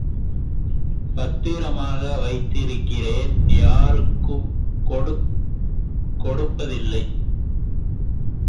பத்திரமாக வைத்திருக்கிறேன் யாருக்குப் கொடுப்பதில்லை.